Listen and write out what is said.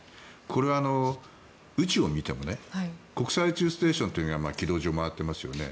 これは宇宙を見ても国際宇宙ステーションは軌道上を回っていますよね。